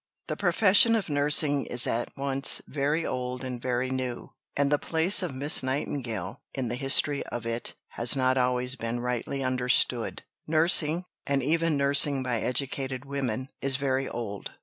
The profession of nursing is at once very old and very new; and the place of Miss Nightingale in the history of it has not always been rightly understood. Nursing and even nursing by educated women is very old.